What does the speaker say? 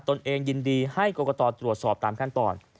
เองยินดีให้กรกตตรวจสอบตามขั้นตอน